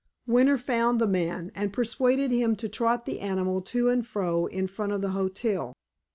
Winter found the man, and persuaded him to trot the animal to and fro in front of the hotel.